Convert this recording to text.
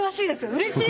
うれしい！